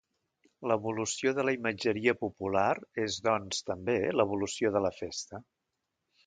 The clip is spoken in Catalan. L'evolució de la imatgeria popular és doncs també l'evolució de la Festa.